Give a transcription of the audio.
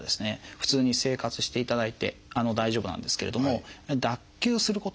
普通に生活していただいて大丈夫なんですけれども脱臼することがやはりありますので。